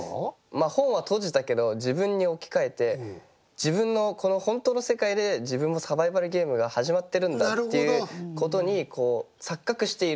本は閉じたけど自分に置き換えて自分のこの本当の世界で自分もサバイバルゲームが始まってるんだっていうことに錯覚している。